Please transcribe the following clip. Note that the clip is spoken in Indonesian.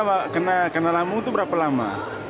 bawa kena lamu itu berapa lama